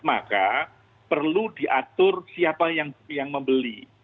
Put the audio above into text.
maka perlu diatur siapa yang membeli